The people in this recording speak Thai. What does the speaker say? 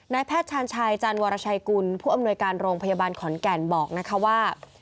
แพทย์ชาญชัยจันวรชัยกุลผู้อำนวยการโรงพยาบาลขอนแก่นบอกนะคะว่า